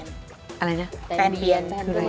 เราก็จะมีคลาญป่อยแตนเบียน